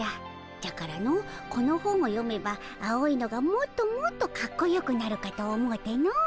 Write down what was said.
じゃからのこの本を読めば青いのがもっともっとかっこよくなるかと思うての。